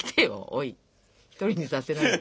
おい一人にさせないで。